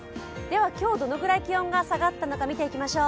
今日どのくらい気温が下がったのか見ていきましょう。